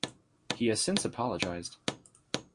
He has since apologised.